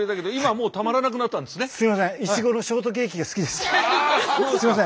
すいません。